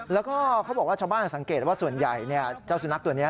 แล้วก็เขาบอกว่าชาวบ้านสังเกตว่าส่วนใหญ่เจ้าสุนัขตัวนี้